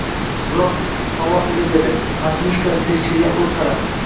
biroq havo iliq edi. Manyushka pechkaga oʻt qaladi.